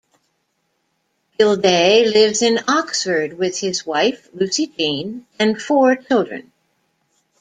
Gildea lives in Oxford with his wife, Lucy-Jean, and four children.